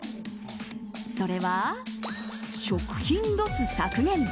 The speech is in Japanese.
それは、食品ロス削減。